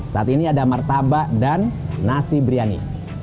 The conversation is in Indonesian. saat ini ada martabak dan nasi biryani